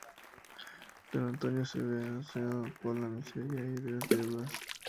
Don Antonio se ve acuciado por la miseria y las deudas.